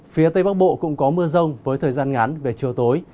phía tây bắc bộ cũng có mưa rông với thời gian ngắn về chiều tối